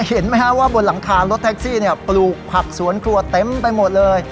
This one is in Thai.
เห็นไหมฮะว่าบนหลังคารถแท็กซี่ปลูกผักสวนครัวเต็มไปหมดเลย